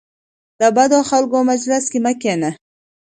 د بدو خلکو مجلس کې مه کینه .